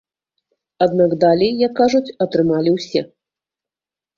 Аднак далей, як кажуць, атрымалі ўсе.